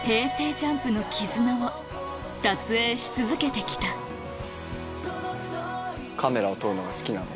ＪＵＭＰの絆を撮影し続けて来たカメラを撮るのが好きなので。